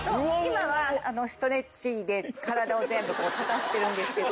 ストレッチで体を全部立たせてるんですけど。